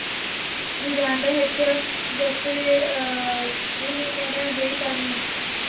দুইডা আন্ডা ফাইড্ডা গেছে, দেহে কেডা হেই কান্দন।